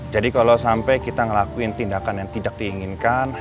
jadi kalau sampai kita ngelakuin tindakan yang tidak diinginkan